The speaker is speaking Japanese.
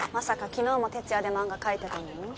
昨日も徹夜で漫画描いてたの？